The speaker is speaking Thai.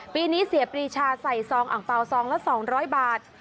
ปีนี้เสียปรีชาใส่ซองอังเปล่าซองละ๒๐๐บาท